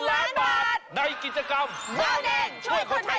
ส้มสุขค่ะคุณชิงน้า